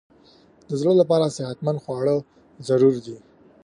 د زړه لپاره صحتمند خواړه ضروري دي.